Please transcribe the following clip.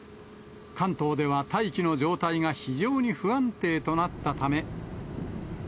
関東では大気の状態が非常に不安定となったため。